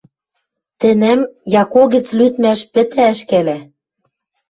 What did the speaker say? Тӹнӓм Яко гӹц лӱдмӓш пӹтӓ ӹшкӓлӓ.